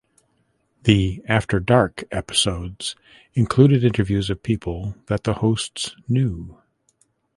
The "After Dark" episodes included interviews of people that the hosts knew.